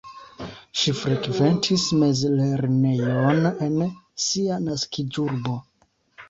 Ŝi frekventis mezlernejon en sia naskiĝurbo.